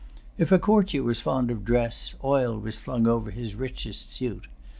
If a courtier was fond of dress, oil was flung over his richest suit.